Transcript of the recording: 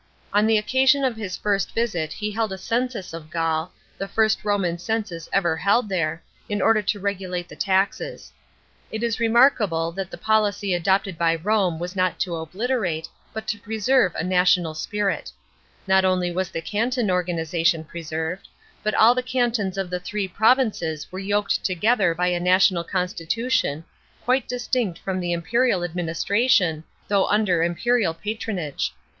On the occasion of his first visit he held a census of Gaul, the first Roman census ever held there, in order to regulate the taxes. It is remark 27 B.O. 14 A.D. THE THREE GAULS. 85 able that the policy adopted by Borne was not to obliterate, but to preserve a national spirit. Not only was the canton organisation preserved, but all the cantons of the three provinces were yoked together by a national constitution, quite distinct from the imperial administration, though under imperial patronage.